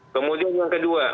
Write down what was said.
kemudian yang kedua